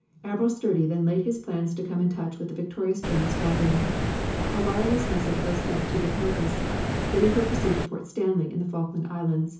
Admiral Sturdee then laid his plans to come in touch with the victorious German squadron. A wireless message was sent to the Canopus, bidding her proceed to Port Stanley in the Falkland Islands.